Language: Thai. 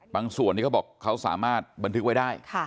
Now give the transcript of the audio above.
ส่วนนี้เขาบอกเขาสามารถบันทึกไว้ได้